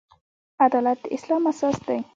عدالت د اسلام اساس دی